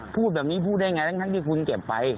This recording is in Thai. พูดแบบนี้พูดได้ไงทั้งที่คุณเก็บไป